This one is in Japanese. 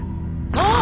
もう！